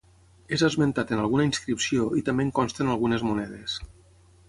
És esmentat en alguna inscripció i també en consten algunes monedes.